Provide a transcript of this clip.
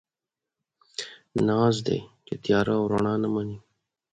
ناز دی، چې تياره او رڼا نه مني